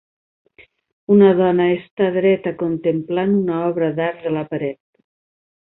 Una dona esta dreta contemplant una obra d'art de la paret.